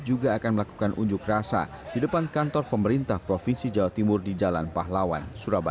juga akan melakukan unjuk rasa di depan kantor pemerintah provinsi jawa timur di jalan pahlawan surabaya